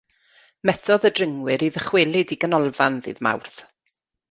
Methodd y dringwyr i ddychwelyd i ganolfan ddydd Mawrth.